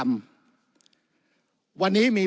วุฒิสภาจะเขียนไว้ในข้อที่๓๐